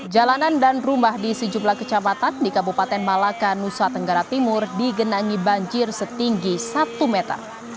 jalanan dan rumah di sejumlah kecamatan di kabupaten malaka nusa tenggara timur digenangi banjir setinggi satu meter